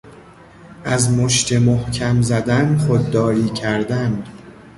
از مشت محکم زدن خودداری کردن